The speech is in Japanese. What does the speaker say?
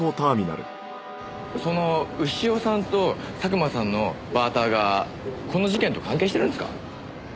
その潮さんと佐久間さんのバーターがこの事件と関係してるんですか？